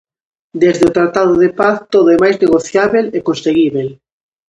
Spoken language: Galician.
Desde o tratado de paz todo é máis negociábel e conseguíbel.